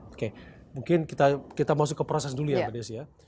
oke mungkin kita masuk ke proses dulu ya mbak desi ya